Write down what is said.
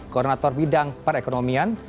koordinator bidang perekonomian